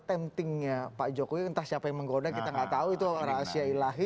temptingnya pak jokowi